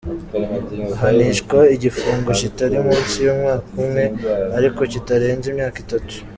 ahanishwa igifungo kitari munsi y’umwaka umwe ariko kitarenze imyaka itatu